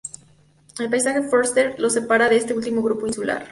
El pasaje Forster la separa de este último grupo insular.